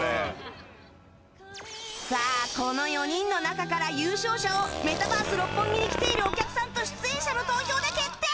さあこの４人の中から優勝者をメタバース六本木に来ているお客さんと出演者の投票で決定！